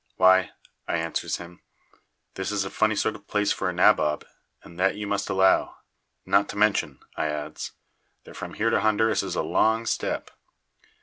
"Why," I answers him, "this is a funny sort of place for a nabob, and that you must allow; not to mention," I adds, "that from here to Honduras is a long step."